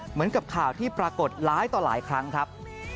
เหมือนกับข่าวที่ปรากฏหลายต่อหลายครั้งครับ